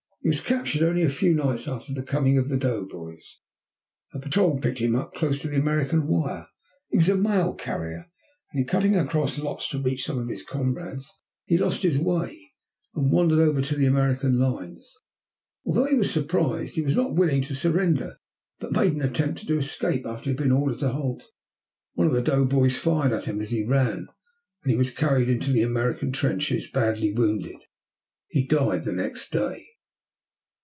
He was captured only a few nights after the coming of the doughboys. A patrol picked him up close to the American wire. He was a mail carrier, and in cutting across lots to reach some of his comrades he lost his way and wandered over to the American lines. Although he was surprised, he was not willing to surrender, but made an attempt to escape after he had been ordered to halt. One of the doughboys fired at him as he ran and he was carried into the American trenches badly wounded. He died the next day.